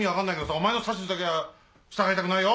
お前の指図だけは従いたくないよ。